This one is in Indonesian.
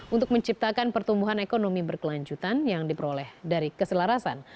untuk menciptakan pertumbuhan ekonomi berkelanjutan yang diperoleh dari keselarasan